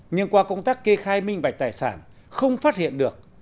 nhưng qua công tác kê khai minh bạch tài sản không phát hiện được